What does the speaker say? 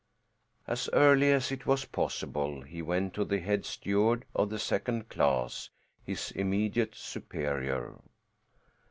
As early as it was possible he went to the head steward of the second class, his immediate superior.